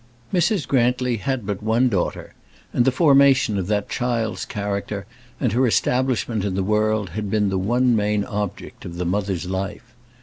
Mrs. Grantly had but one daughter, and the formation of that child's character and her establishment in the world had been the one main object of the mother's life.